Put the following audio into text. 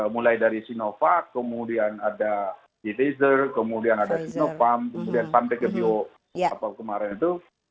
mulai dari sinovac kemudian ada betizer kemudian ada sinopharm kemudian sampai ke bio apa kemarin itu